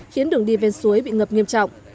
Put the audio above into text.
khiến đường đi ven suối bị ngập nghiêm trọng